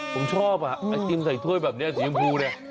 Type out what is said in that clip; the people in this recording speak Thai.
ผมชอบอ่ะไอติมใส่ถ้วยแบบนี้สีชมพูเนี่ย